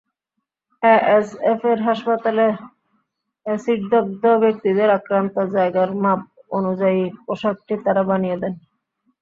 এএসএফের হাসপাতালে অ্যাসিডদগ্ধ ব্যক্তিদের আক্রান্ত জায়গার মাপ অনুযায়ী পোশাকটি তাঁরা বানিয়ে দেন।